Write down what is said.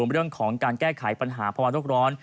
ในเรื่องของการแก้ไขปัญหาประวัติโลกร้อน